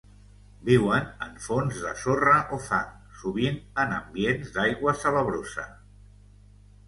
Viuen en fons de sorra o fang, sovint en ambients d'aigua salabrosa.